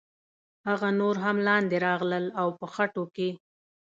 هغه نور هم لاندې راغلل او په خټو کې.